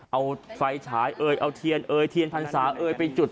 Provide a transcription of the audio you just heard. เอาไฟฉายเอ่ยเอาเทียนเอ่ยเทียนพรรษาเอ่ยไปจุด